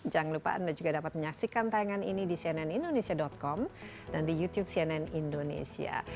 jangan lupa anda juga dapat menyaksikan tayangan ini di cnnindonesia com dan di youtube cnn indonesia